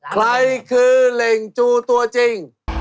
ใครคือเหล่งจูตัวจริง